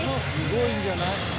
すごいんじゃない。